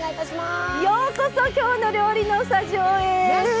ようこそ「きょうの料理」のスタジオへ。